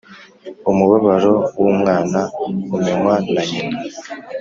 Umubabaro w’umwana umenywa na nyina.